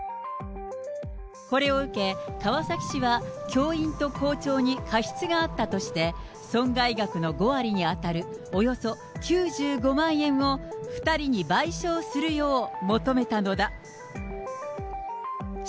これを受け、川崎市は教員と校長に過失があったとして、損害額の５割に当たるおよそ９５万円を２人に賠償するよう求めたのだ。